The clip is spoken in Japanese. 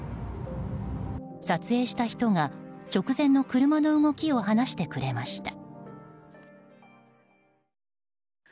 撮影した人が直前の車の動きを話してくれました。